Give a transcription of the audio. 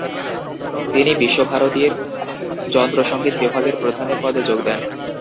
তিনি বিশ্বভারতীর যন্ত্রসঙ্গীত বিভাগের প্রধানের পদে যোগ দেন।